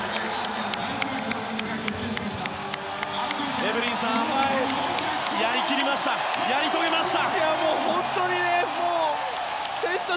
エブリンさん、やり切りましたやり遂げました。